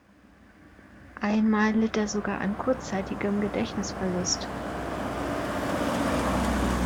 Einmal litt er sogar an kurzzeitigem Gedächtnisverlust.